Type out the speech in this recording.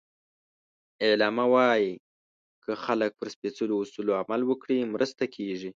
اعلامیه وایي که خلک پر سپیڅلو اصولو عمل وکړي، مرسته کېږي.